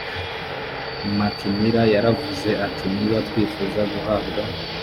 macmillan yaravuze ati niba twifuza guhabwa